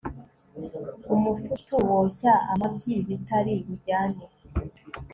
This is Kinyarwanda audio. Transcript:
umufutu woshya amabyi bitari bujyane